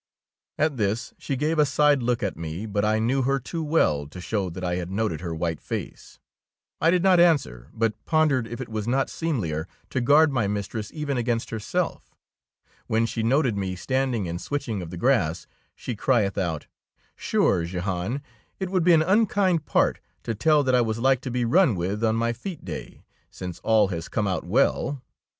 At this she gave a side look at me, but I knew her too well to show that I had noted her white face. I did not answer, but pondered if it was not seemlier to guard my mistress even against herself. When she noted me standing and switching of the grass, she crieth out, —" Sure, Jehan, it would be an unkind part to tell that I was like to be run with on my fete day, since all has come out well.